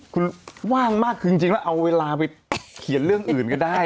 คุณว่างมากคือจริงแล้วเอาเวลาไปเขียนเรื่องอื่นก็ได้